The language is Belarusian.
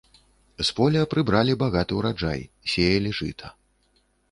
З поля прыбралі багаты ўраджай, сеялі жыта.